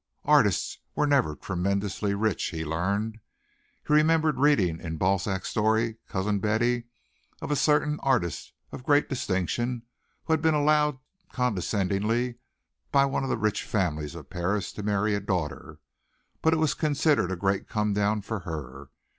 Artists were never tremendously rich, he learned. He remembered reading in Balzac's story "Cousin Betty," of a certain artist of great distinction who had been allowed condescendingly by one of the rich families of Paris to marry a daughter, but it was considered a great come down for her.